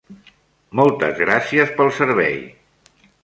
Moltes gràcies pel servei!